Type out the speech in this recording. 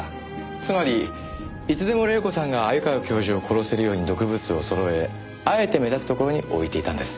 つまりいつでも黎子さんが鮎川教授を殺せるように毒物を揃えあえて目立つところに置いていたんです。